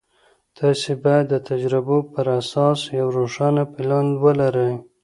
تاسې باید د تجربو پر اساس یو روښانه پلان ولرئ.